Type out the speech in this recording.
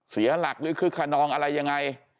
เสียหลักหรือคึกขนองอะไรยังไง